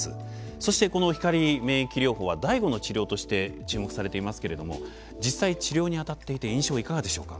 そしてこの光免疫療法は第５の治療として注目されていますけれども実際治療に当たっていて印象はいかがでしょうか？